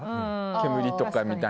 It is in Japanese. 煙とか。